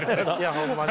ホンマに。